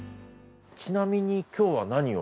ちなみに今日は何を？